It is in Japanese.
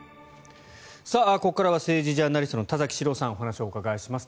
ここからは政治ジャーナリストの田崎史郎さんにお話をお伺いします。